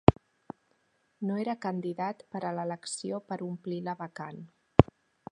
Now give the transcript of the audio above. No era candidat per a l'elecció per omplir la vacant.